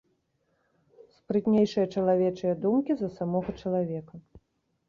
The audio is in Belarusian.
Спрытнейшыя чалавечыя думкі за самога чалавека.